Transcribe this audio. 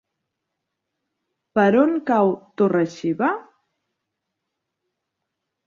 Per on cau Torre-xiva?